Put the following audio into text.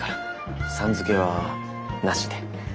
「さん」付けはなしで。